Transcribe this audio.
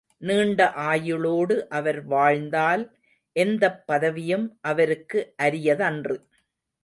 நீண்ட ஆயுளோடு அவர் வாழ்ந்தால், எந்தப் பதவியும் அவருக்கு அரியதன்று.